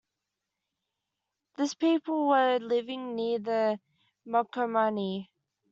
This people were living near the Marcomanni.